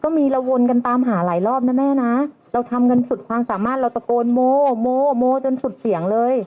มีเราวนกันตามหาหลายรอบนะแม่นะเราทำกันสุดความสามารถเราตะโกนโมโมโมจนสุดเสียงเลย